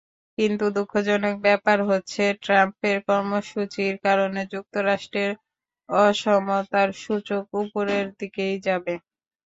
কিন্তু দুঃখজনক ব্যাপার হচ্ছে, ট্রাম্পের কর্মসূচির কারণে যুক্তরাষ্ট্রের অসমতার সূচক ওপরের দিকেই যাবে।